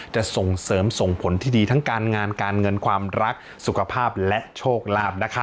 จะส่งเสริมส่งผลที่ดีทั้งการงานการเงินความรักสุขภาพและโชคลาภนะคะ